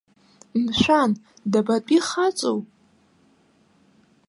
Мшәан, дабатәи хаҵоу.